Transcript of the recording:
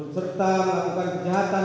serta melakukan kejahatan